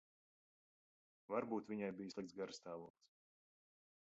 Varbūt viņai bija slikts garastāvoklis.